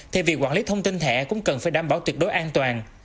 thì việc quản lý thông tin thẻ cũng cần phải đảm bảo tuyệt đối an toàn